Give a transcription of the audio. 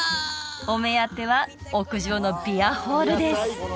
お目当ては屋上のビアホールです